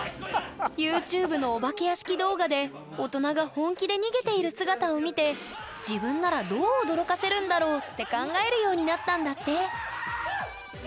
ＹｏｕＴｕｂｅのお化け屋敷動画で大人が本気で逃げている姿を見て自分ならどう驚かせるんだろう？って考えるようになったんだって！